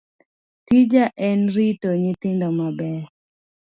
Tija en rito nyithindo maber